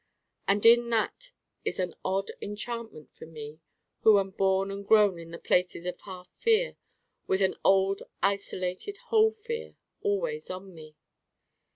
And in that is an odd enchantment for me who am born and grown in the places of Half fear with an old isolated whole fear always on me.